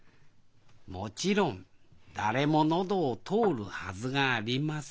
もちろん誰も喉を通るはずがありません